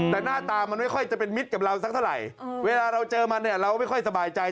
แต่หน้าตามันไม่ค่อยจะเป็นมิตรกับเราสักเท่าไหร่เวลาเราเจอมันเนี่ยเราไม่ค่อยสบายใจ